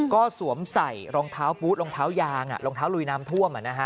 ก็สวมใส่รองเท้าปู๊ดรองเท้ายางรองเท้าลุยน้ำท่วม